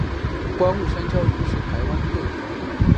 观雾山椒鱼是台湾特有种。